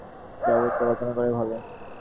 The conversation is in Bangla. সে অবস্থা কল্পনা করাই ভালো ।